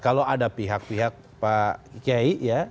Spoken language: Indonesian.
kalau ada pihak pihak pak kiai ya